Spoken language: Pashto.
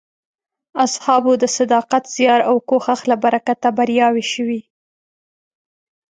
اصحابو د صداقت، زیار او کوښښ له برکته بریاوې شوې.